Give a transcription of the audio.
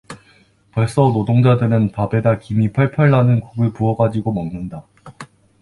벌써 노동자들은 밥에다 김이 펄펄 나는 국을 부어 가지고 먹는다.